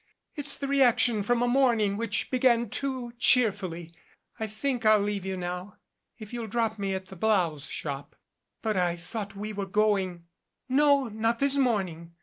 It's the reaction from a morning which began too cheerfully. I think I'll leave you now, if you'll drop me at the Blouse Shop " "But I thought we were going " "No. Not this morning.